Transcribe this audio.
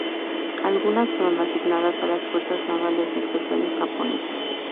Algunas fueron asignadas a las Fuerzas Navales Especiales Japonesas.